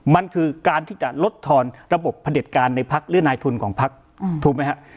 มันคือการที่จะลดทอนระบบผลิตการในพลักษณ์หรือนายทุนของพลักษณ์ถูกมั้ยฮะ